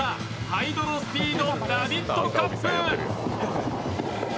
ハイドロスピード・ラヴィットカップ。